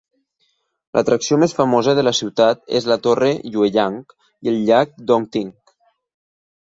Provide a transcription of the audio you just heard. L'atracció més famosa de la ciutat és la torre YUEYANG i el llac Dongting.